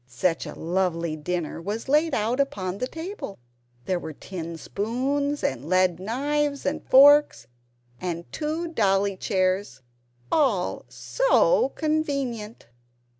Such a lovely dinner was laid out upon the table! There were tin spoons, and lead knives and forks, and two dolly chairs all SO convenient!